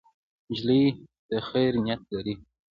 نجلۍ د خیر نیت لري.